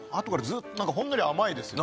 ほんのり甘いですよね。